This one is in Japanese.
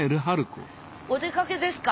お出かけですか？